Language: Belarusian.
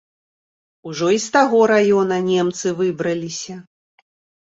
Ужо і з таго раёна немцы выбраліся.